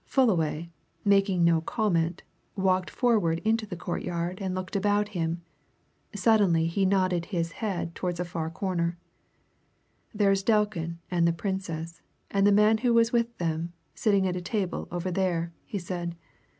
Fullaway, making no comment, walked forward into the courtyard and looked about him. Suddenly he nodded his head towards a far corner. "There's Delkin and the Princess, and the man who was with them, sitting at a table over there," he said.